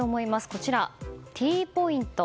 こちらのＴポイント。